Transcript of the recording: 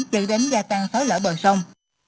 dự đến gia tăng phá lỡ bờ sông